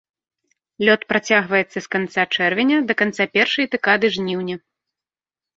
Лёт працягваецца з канца чэрвеня да канца першай дэкады жніўня.